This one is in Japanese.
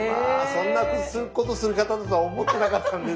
そんなことする方だとは思ってなかったんで。